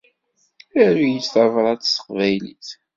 Aru-yi-d tabrat s teqbaylit